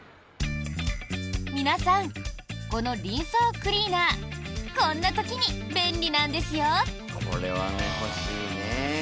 皆さん、このリンサークリーナーこんな時に便利なんですよ！